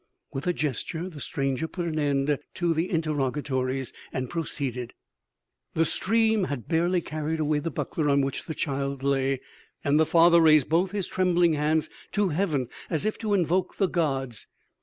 With a gesture the stranger put an end to the interrogatories, and proceeded: "The stream had barely carried away the buckler on which the child lay, than the father raised both his trembling hands to heaven as if to invoke the gods.